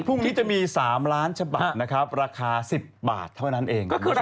พรุ่งนี้จะมี๓ล้านฉบับนะครับราคา๑๐บาทเท่านั้นเองคุณผู้ชม